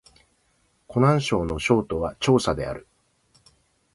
湖南省の省都は長沙である